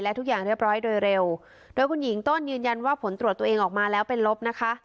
และทุกอย่างเรียบร้อยโดยเร็วโดยคุณหญิงต้นยืนยันว่าผลตรวจตัวเองออกมาแล้วเป็นลบนะคะ